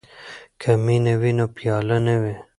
که مینه وي نو پیاله نه وي.